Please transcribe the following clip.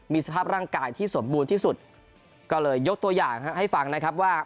มีสภาพร่างกายที่สมบูรณ์ที่สุดก็เลยยกตัวอย่างให้ฟังนะครับว่า